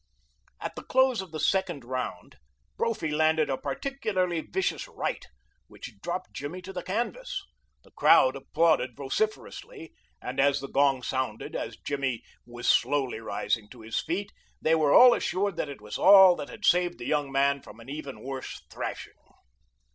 At the close of the second round Brophy landed a particularly vicious right, which dropped Jimmy to the canvas. The crowd applauded vociferously, and as the gong sounded as Jimmy was slowly rising to his feet they were all assured that it was all that had saved the young man from an even worse thrashing.